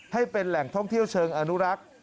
ให้เป็นแหล่งท่องเที่ยวเชิงอนุรักษ์